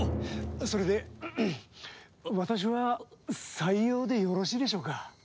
それで私は採用でよろしいでしょうか？